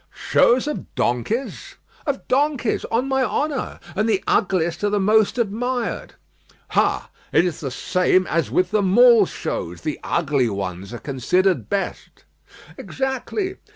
"Shows of donkeys?" "Of donkeys, on my honour. And the ugliest are the most admired." "Ha! it is the same as with the mule shows. The ugly ones are considered best." "Exactly.